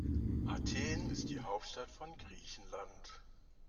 Athen ist die Hauptstadt von Griechenland.